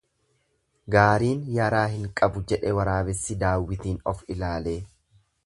Gaariin yaraa hin qabu jedhe waraabessi daawwitiin of ilaalee.